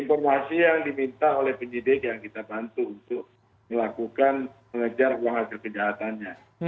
informasi yang diminta oleh penyidik yang kita bantu untuk melakukan mengejar uang hasil kejahatannya